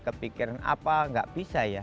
kepikiran apa nggak bisa ya